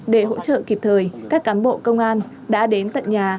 để hỗ trợ kịp thời các cán bộ công an đã đến tận nhà